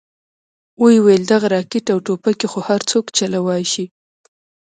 ويې ويل دغه راکټ او ټوپکې خو هرسوک چلوې شي.